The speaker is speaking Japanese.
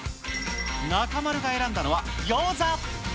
中丸が選んだのはギョーザ。